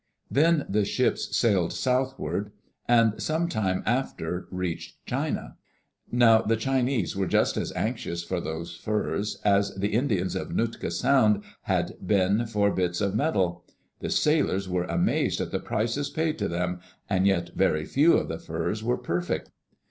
Then the ships sailed southward and some time after reached China. Now the Chinese were just as anxious for those furs as [lO] Digitized by CjOOQ IC CAPTAIN COOK'S ADVENTURES the Indians of Nootka Sound had been for bits of metal. The sailors were amazed at the prices paid to diem, and yet very few of the furs were perfect.